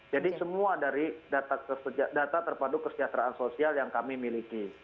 jadi semua dari data terpadu kesejahteraan sosial yang kami miliki